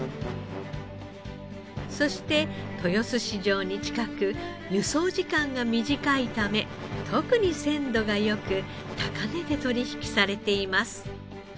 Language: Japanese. そして豊洲市場に近く輸送時間が短いため特に鮮度が良く高値で取引されています。